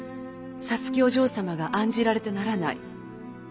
皐月お嬢様が案じられてならない」。